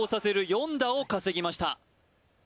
４打を稼ぎました